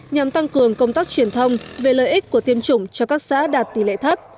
nhằm tăng cường công tác truyền thông về lợi ích của tiêm chủng cho các xã đạt tỷ lệ thấp